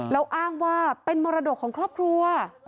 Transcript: แล้วอ้างว่าเป็นมรดกของครอบครัว